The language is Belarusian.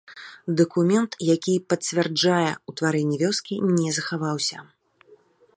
Дакумент, які пацвярджае ўтварэнне вёскі, не захаваўся.